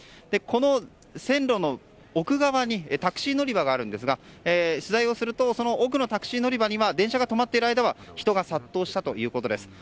この線路の奥側にタクシー乗り場がありますが取材をすると奥のタクシー乗り場には電車が止まっている間は人が殺到したそうです。